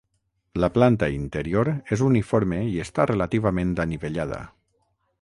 La planta interior és uniforme i està relativament anivellada.